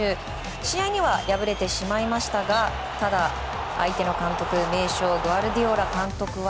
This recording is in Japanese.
試合には敗れてしまいましたがただ、相手の監督名将、グアルディオラ監督は。